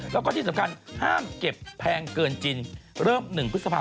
แล้วก็ที่สำคัญห้ามเก็บแพงเกินจริงเริ่ม๑พฤษภา